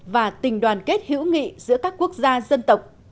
và tình đoàn kết hữu nghị giữa các quốc gia dân tộc